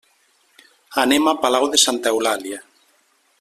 Anem a Palau de Santa Eulàlia.